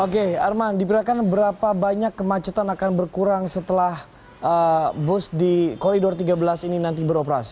okay arman diberikan berapa banyak kemacetan akan berkurang setelah bush di corridor tiga belas ini nanti beroperasi